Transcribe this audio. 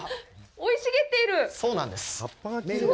生い茂っている。